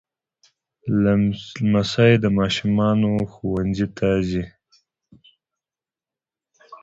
لمسی د ماشومانو ښوونځي ته ځي.